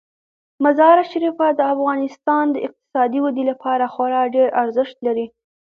مزارشریف د افغانستان د اقتصادي ودې لپاره خورا ډیر ارزښت لري.